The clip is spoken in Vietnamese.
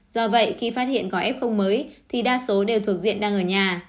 do vậy khi phát hiện có f mới thì đa số đều thuộc diện đang ở nhà